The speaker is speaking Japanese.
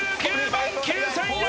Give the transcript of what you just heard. ９９９０００円